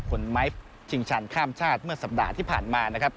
ผลไม้ชิงชันข้ามชาติเมื่อสัปดาห์ที่ผ่านมานะครับ